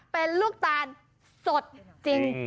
เป็นลูกตาลสดจริง